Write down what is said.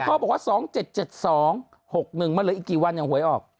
ก็เขาบอกว่า๒๗๗๒๖๑มาเลยอีกกี่วันยังหวยออก